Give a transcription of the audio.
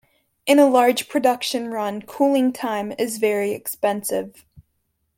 In a large production run cooling time is very expensive.